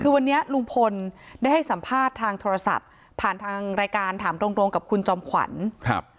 คือวันนี้ลุงพลได้ให้สัมภาษณ์ทางโทรศัพท์ผ่านทางรายการถามตรงตรงกับคุณจอมขวัญครับ